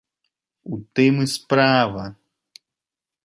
У тым і справа.